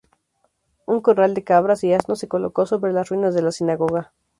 Un corral de cabras y asnos se colocó sobre las ruinas de la Sinagoga.